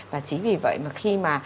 và chỉ vì vậy mà khi mà